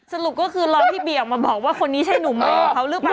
สรุปก็คือรอพี่เบียออกมาบอกว่าคนนี้ใช่หนุ่มใหม่ของเขาหรือเปล่า